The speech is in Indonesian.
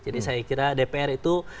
jadi saya kira dpr itu